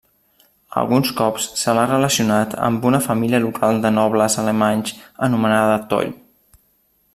Alguns cops se l'ha relacionat amb una família local de nobles alemanys anomenada Toll.